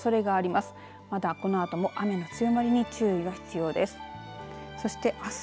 まだこのあとも雨の強まりに注意が必要です。